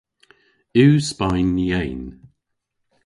Yw Spayn yeyn?